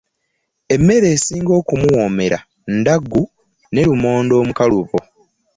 Emmere esinga okumuwoomera ndaggu ne lumonde omukalubo.